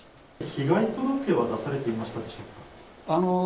被害届は出されていましたでしょうか。